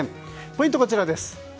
ポイント、こちらです。